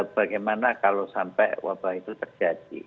bagaimana kalau sampai wabah itu terjadi